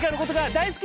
大好き！